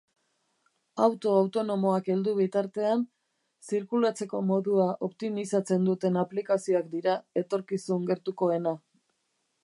Auto autonomoak heldu bitartean, zirkulatzeko modua optimizatzen duten aplikazioak dira etorkizun gertukoena.